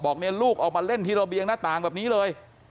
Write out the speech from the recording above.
บอกเนี่ยลูกออกมาเล่นที่ระเบียงหน้าต่างแบบนี้เลย